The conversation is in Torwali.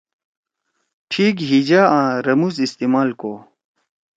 ٹھیک ہیجا آں رموز استعمال کو۔